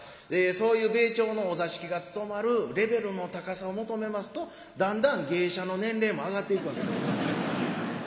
そういう米朝のお座敷がつとまるレベルの高さを求めますとだんだん芸者の年齢も上がっていくわけでございます。